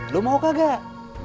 lo mau kagak